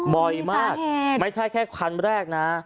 บ่อยมากไม่ใช่แค่คันแรกนะ